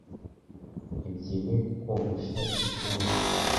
ntibyemewe ko kogosha igituza